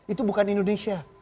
itu bukan indonesia